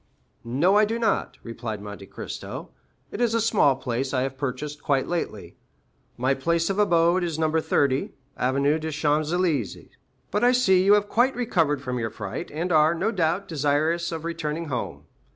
"No, I do not," replied Monte Cristo; "it is a small place I have purchased quite lately. My place of abode is No. 30, Avenue des Champs Élysées; but I see you have quite recovered from your fright, and are, no doubt, desirous of returning home.